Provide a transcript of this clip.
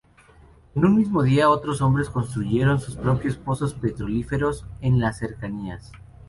En un mismo día, otros hombres construyeron su propios pozos petrolíferos en las cercanías.